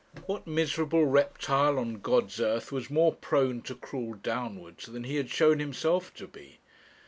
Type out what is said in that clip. What miserable reptile on God's earth was more prone to crawl downwards than he had shown himself to be?